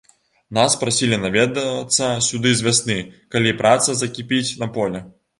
Нас прасілі наведацца сюды з вясны, калі праца закіпіць на полі.